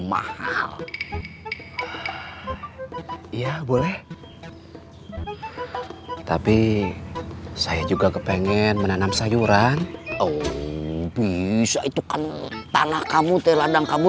mahal ya boleh tapi saya juga kepengen menanam sayuran oh bisa itu kan tanah kamu teh ladang kamu